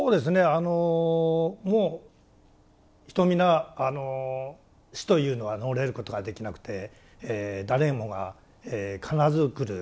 あのもう人皆死というのは逃れることができなくて誰もが必ず来る。